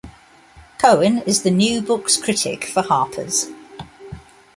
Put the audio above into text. Cohen is the New Books critic for "Harper's".